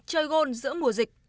chơi gôn giữa mùa dịch